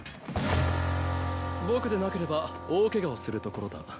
僕でなければ大ケガをするところだ。